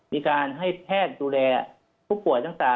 มีการให้แพทย์ดูแลผู้ป่วยตั้งแต่